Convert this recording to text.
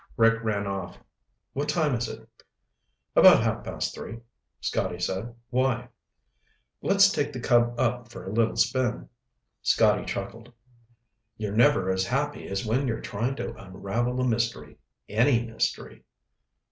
Rick rang off. "What time is it?" "About half past three," Scotty said. "Why?" "Let's take the Cub up for a little spin." Scotty chuckled. "You're never as happy as when you're trying to unravel a mystery. Any mystery."